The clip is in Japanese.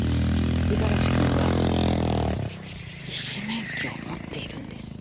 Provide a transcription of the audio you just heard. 五十嵐君は医師免許を持っているんです。